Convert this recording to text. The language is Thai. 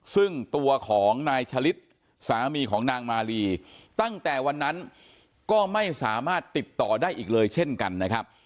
ซึ่งตัวของนายชะลิดสามีของนางมาลีตั้งแต่วันนั้นก็ไม่สามารถติดต่อได้อีกเลยเช่นกันนะครับ